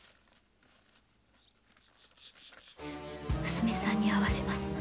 ・「娘さんに会わせます」